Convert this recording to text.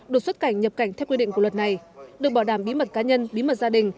được xuất cảnh nhập cảnh theo quy định của luật này được bảo đảm bí mật cá nhân bí mật gia đình